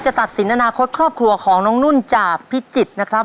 ตัดสินอนาคตครอบครัวของน้องนุ่นจากพิจิตรนะครับ